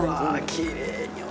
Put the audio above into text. きれいに。